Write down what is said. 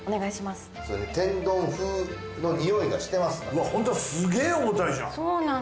すげぇ重たいじゃん。